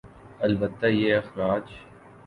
البتہ یہ اخراج